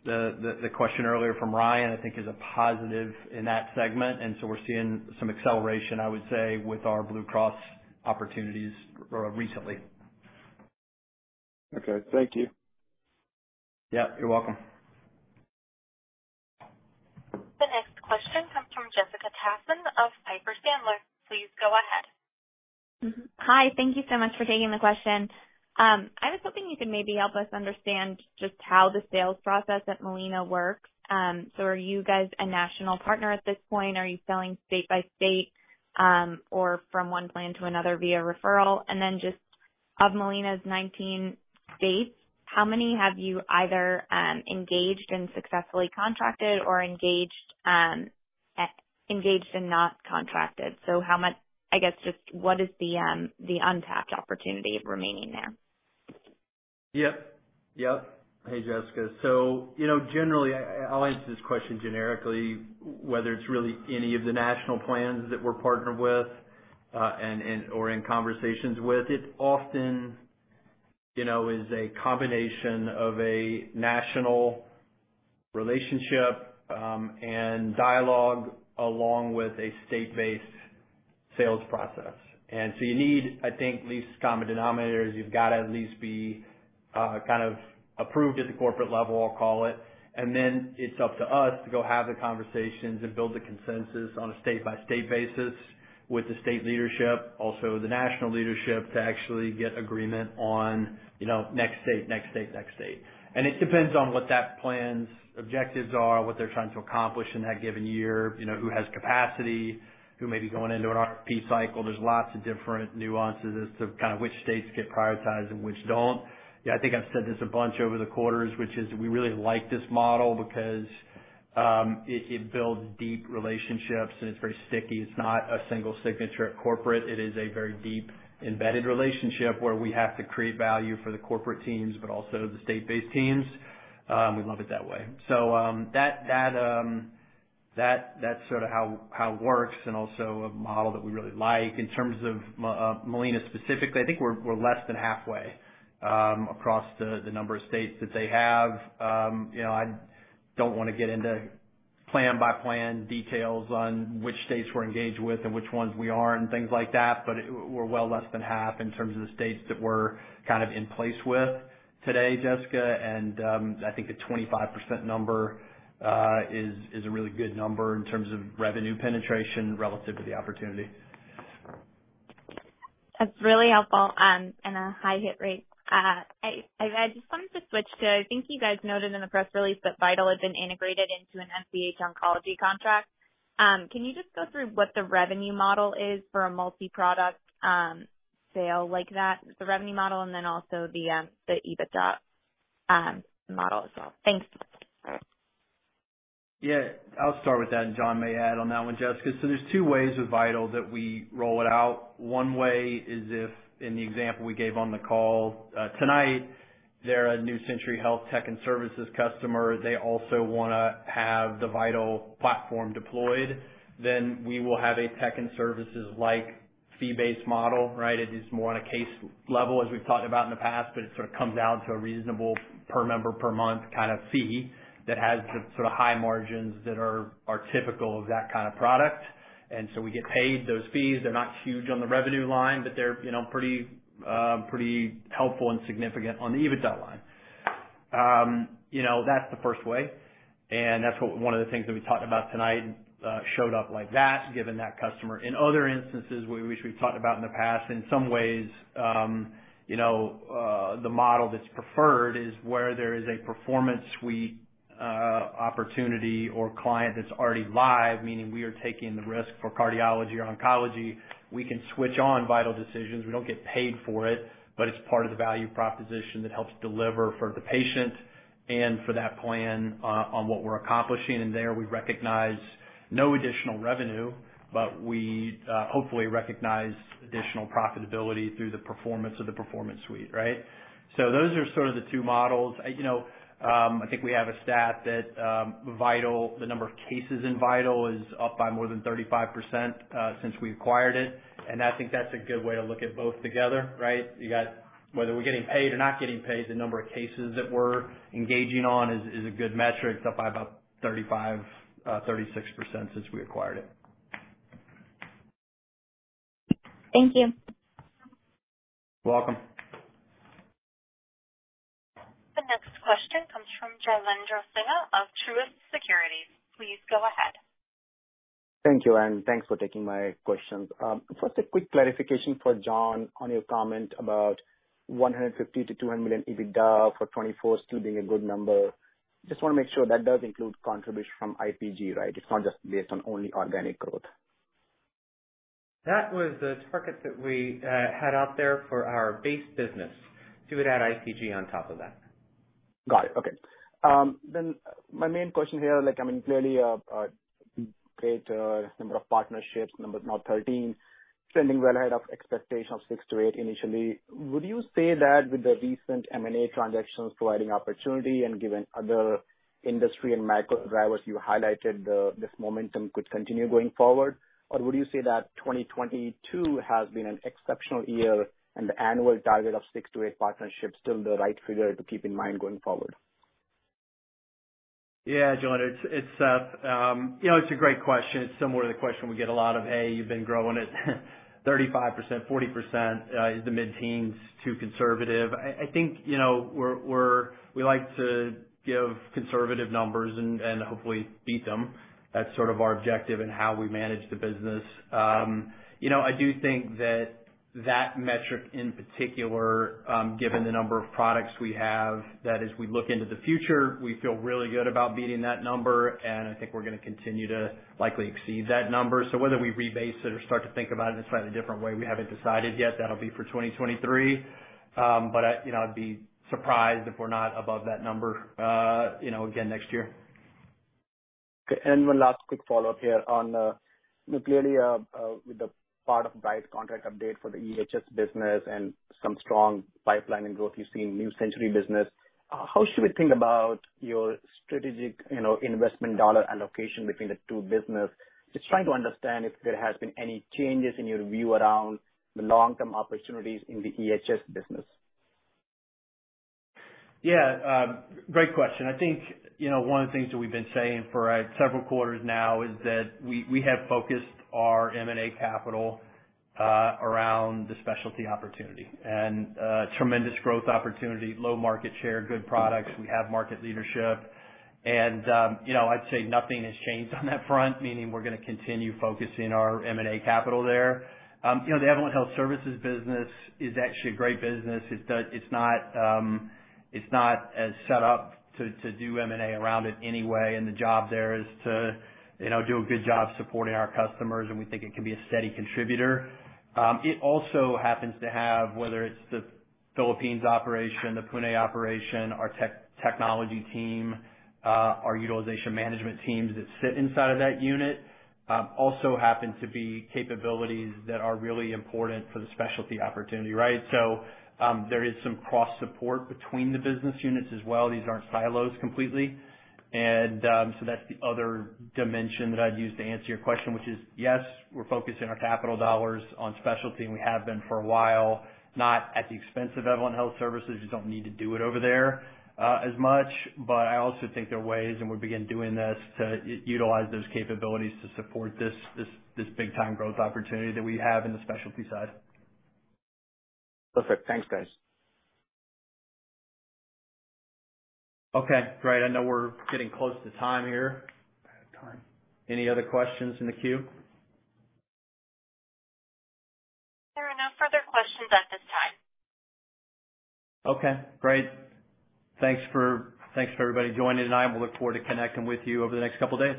the question earlier from Ryan, I think is a positive in that segment. We're seeing some acceleration, I would say, with our Blue Cross opportunities recently. Okay, thank you. Yeah, you're welcome. The next question comes from Jessica Tassan of Piper Sandler. Please go ahead. Hi, thank you so much for taking the question. I was hoping you could maybe help us understand just how the sales process at Molina works. Are you guys a national partner at this point? Are you selling state by state or from one plan to another via referral? Just of Molina's 19 states, how many have you either engaged and successfully contracted or engaged and not contracted? I guess just what is the untapped opportunity remaining there? Yep. Yep. Hey, Jessica. You know, generally, I'll answer this question generically, whether it's really any of the national plans that we're partnered with, and/or in conversations with. It often, you know, is a combination of a national relationship, and dialogue along with a state-based sales process. You need, I think, least common denominators. You've got to at least be kind of approved at the corporate level, I'll call it. It's up to us to go have the conversations and build the consensus on a state-by-state basis with the state leadership, also the national leadership, to actually get agreement on, you know, next state, next state, next state. It depends on what that plan's objectives are, what they're trying to accomplish in that given year. You know, who has capacity, who may be going into an RFP cycle. There's lots of different nuances as to kind of which states get prioritized and which don't. Yeah, I think I've said this a bunch over the quarters, which is we really like this model because it builds deep relationships and it's very sticky. It's not a single signature at corporate. It is a very deep embedded relationship where we have to create value for the corporate teams but also the state-based teams. We love it that way. That's sort of how it works and also a model that we really like. In terms of Molina specifically, I think we're less than halfway across the number of states that they have. You know, I don't wanna get into plan by plan details on which states we're engaged with and which ones we aren't and things like that, but we're well less than half in terms of the states that we're kind of in place with today, Jessica. I think the 25% number is a really good number in terms of revenue penetration relative to the opportunity. That's really helpful, and a high hit rate. I just wanted to switch to, I think you guys noted in the press release that Vital has been integrated into an NCH Oncology contract. Can you just go through what the revenue model is for a multi-product sale like that? The revenue model and then also the EBITDA model as well. Thanks. Yeah, I'll start with that, and John may add on that one, Jessica Tassan. There's two ways with Vital that we roll it out. One way is if, in the example we gave on the call tonight, they're a New Century Technology and Services customer. They also wanna have the Vital platform deployed. Then we will have a Technology and Services like fee-based model, right? It is more on a case level as we've talked about in the past, but it sort of comes out to a reasonable per member per month kinda fee that has the sort of high margins that are typical of that kind of product. We get paid those fees. They're not huge on the revenue line, but they're, you know, pretty helpful and significant on the EBITDA line. You know, that's the first way, and that's what one of the things that we talked about tonight showed up like that, given that customer. In other instances, which we've talked about in the past, in some ways, you know, the model that's preferred is where there is a Performance Suite opportunity or client that's already live, meaning we are taking the risk for cardiology or oncology. We can switch on Vital Decisions. We don't get paid for it, but it's part of the value proposition that helps deliver for the patient and for that plan on what we're accomplishing. There we recognize no additional revenue, but we hopefully recognize additional profitability through the performance of the Performance Suite, right? Those are sort of the two models. You know, I think we have a stat that Vital, the number of cases in Vital is up by more than 35% since we acquired it. I think that's a good way to look at both together, right? You got whether we're getting paid or not getting paid, the number of cases that we're engaging on is a good metric. It's up by about 35-36% since we acquired it. Thank you. You're welcome. The next question comes from Jailendra Singh of Truist Securities. Please go ahead. Thank you, and thanks for taking my questions. First, a quick clarification for John on your comment about $150 million-$200 million EBITDA for 2024 still being a good number. Just wanna make sure that does include contribution from IPG, right? It's not just based on only organic growth. That was the target that we had out there for our base business. You would add IPG on top of that. Got it. Okay. My main question here, like, I mean, clearly, great number of partnerships, now 13, trending well ahead of expectation of 6-8 initially. Would you say that with the recent M&A transactions providing opportunity and given other industry and macro drivers, this momentum could continue going forward? Or would you say that 2022 has been an exceptional year and the annual target of 6-8 partnerships still the right figure to keep in mind going forward? Yeah, Jailendra, you know, it's a great question. It's similar to the question we get a lot of, hey, you've been growing at 35%, 40%, is the mid-teens too conservative? I think, you know, we like to give conservative numbers and hopefully beat them. That's sort of our objective in how we manage the business. You know, I do think that that metric in particular, given the number of products we have, that as we look into the future, we feel really good about beating that number, and I think we're gonna continue to likely exceed that number. Whether we rebase it or start to think about it in a slightly different way, we haven't decided yet. That'll be for 2023. I, you know, I'd be surprised if we're not above that number, you know, again next year. Okay. One last quick follow-up here on clearly, with the part of Bright contract update for the EHS business and some strong pipeline and growth you've seen in New Century Health business, how should we think about your strategic, you know, investment dollar allocation between the two business? Just trying to understand if there has been any changes in your view around the long-term opportunities in the EHS business. Yeah, great question. I think, you know, one of the things that we've been saying for several quarters now is that we have focused our M&A capital around the specialty opportunity. Tremendous growth opportunity, low market share, good products. We have market leadership. You know, I'd say nothing has changed on that front, meaning we're gonna continue focusing our M&A capital there. You know, the Evolent Health Services business is actually a great business. It's not as set up to do M&A around it anyway, and the job there is to, you know, do a good job supporting our customers, and we think it can be a steady contributor. It also happens to have, whether it's the Philippines operation, the Pune operation, our technology team, our utilization management teams that sit inside of that unit, also happen to be capabilities that are really important for the specialty opportunity, right? There is some cross-support between the business units as well. These aren't silos completely. That's the other dimension that I'd use to answer your question, which is, yes, we're focusing our capital dollars on specialty, and we have been for a while, not at the expense of Evolent Health Services. You don't need to do it over there, as much. I also think there are ways, and we begin doing this, to utilize those capabilities to support this big time growth opportunity that we have in the specialty side. Perfect. Thanks, guys. Okay, great. I know we're getting close to time here. Out of time. Any other questions in the queue? There are no further questions at this time. Okay, great. Thanks for everybody joining tonight. We look forward to connecting with you over the next couple days.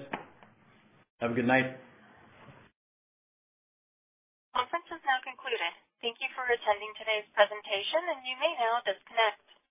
Have a good night. Conference is now concluded. Thank you for attending today's presentation, and you may now disconnect.